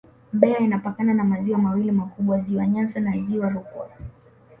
Mbeya inapakana na maziwa mawili makubwa Ziwa Nyasa na Ziwa Rukwa